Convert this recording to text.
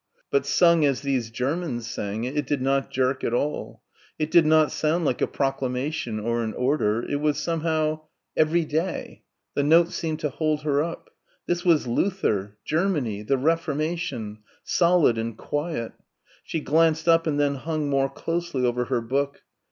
But sung as these Germans sang it, it did not jerk at all. It did not sound like a "proclamation" or an order. It was ... somehow ... everyday. The notes seemed to hold her up. This was Luther Germany the Reformation solid and quiet. She glanced up and then hung more closely over her book.